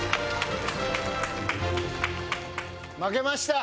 負けました。